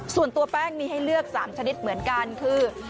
ส่วนตัวแป้งมีให้เลือก๓ชนิดเหมือนกันคือ